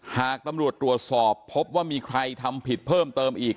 หากตำรวจตรวจสอบพบว่ามีใครทำผิดเพิ่มเติมอีก